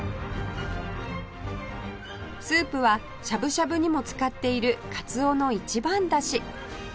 スープはしゃぶしゃぶにも使っているカツオの一番出汁